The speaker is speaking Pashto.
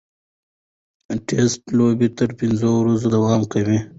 ټېسټ لوبې تر پنځو ورځو دوام کوي.